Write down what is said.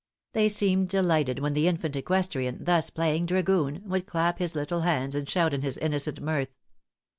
They seemed delighted when the infant equestrian thus playing dragoon, would clap his little hands and shout in his innocent mirth.